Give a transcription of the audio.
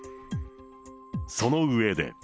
その上で。